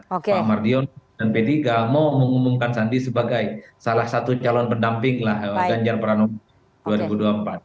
pak mardiono dan p tiga mau mengumumkan sandi sebagai salah satu calon pendamping ganjar pranowo dua ribu dua puluh empat